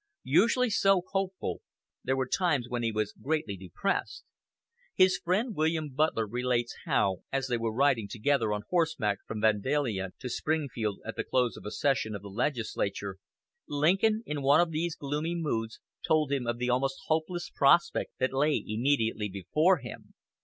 Usually so hopeful, there were times when he was greatly depressed. His friend William Butler relates how, as they were riding together on horseback from Vandalia to Springfield at the close of a session of the legislature, Lincoln, in one of these gloomy moods, told him of the almost hopeless prospect that lay immediately before him.